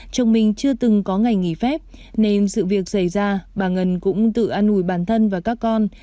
chồng mình chưa từng có ngày nghỉ phép nên sự việc xảy ra bà ngân cũng tự an ủi bản thân và các con